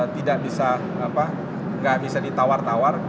tidak bisa ditawar tawar